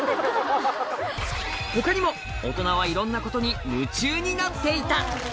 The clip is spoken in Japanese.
他にもオトナはいろんなことに夢中になっていた！